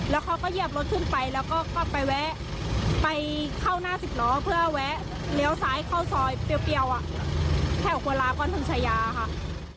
แล้วเขาก็เหยียบรถขึ้นไปแล้วก็ไปแวะไปเข้าหน้าสิบล้อเพื่อแวะเลี้ยวซ้ายเข้าซอยเปรี้ยวแถวหัวลาปอนถึงชายาค่ะ